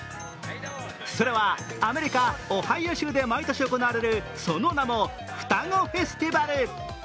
それはアメリカ・オハイオ州で毎年行われるその名も双子フェスティバル。